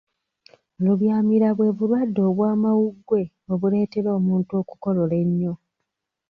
Lubyamira bwe bulwadde obw'amawuggwe obuleetera omuntu okukolola ennyo.